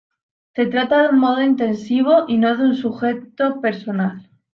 Se trata de un modo intensivo y no de un sujeto personal.